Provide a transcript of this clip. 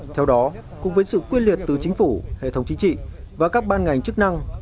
theo đó cùng với sự quyết liệt từ chính phủ hệ thống chính trị và các ban ngành chức năng